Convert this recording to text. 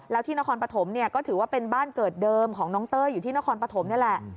แล้วที่นครปฐมเนี่ยก็ถือว่าเป็นบ้านเกิดเดิมของน้องเต้ยอยู่ที่นครปฐมนี่แหละ